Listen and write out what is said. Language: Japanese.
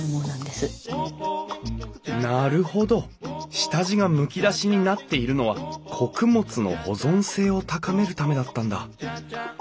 なるほど下地がむき出しになっているのは穀物の保存性を高めるためだったんだ！